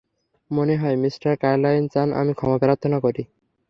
মনে হয়, mister Carlyle চান আমি ক্ষমা প্রার্থনা করি।